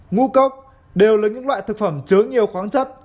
ngũ cốc đều là những loại thực phẩm chứa nhiều khoáng chất